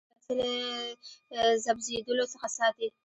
هغوی خپلې پیسې له ضبظېدلو څخه ساتي.